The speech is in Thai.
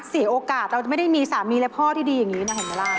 เสียโอกาสเราจะไม่ได้มีสามีและพ่อที่ดีอย่างนี้นะเห็นไหมล่ะ